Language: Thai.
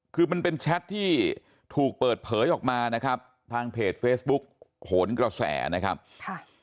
คือมันเป็นแชทที่ถูกเปิดเผยออกมานะครับทางเพจเฟซบุ๊กโหนกระแสนะครับค่ะ